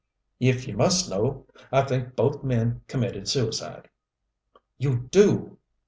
"If you must know I think both men committed suicide." "You do!"